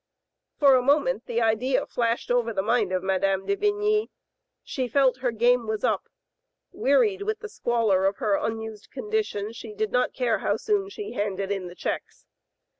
For a moment the idea flashed over the mind of Mme. de Vigny. She felt her game was up ; wearied with the squalor of her unused condition, she did not care how soon she handed in the checks.